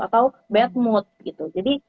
atau bad mood gitu jadi